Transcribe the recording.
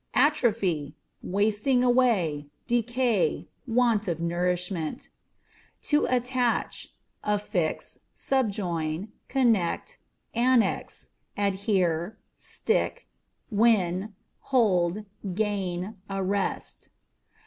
Atrophy â€" wasting away, decay, want of nourishment. To Attach â€" affix, subjoin, connect, annex ; adhere, stick, win. hold, gain, arrest.